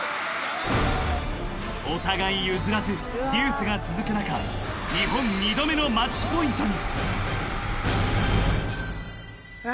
［お互い譲らずデュースが続く中日本２度目のマッチポイントに］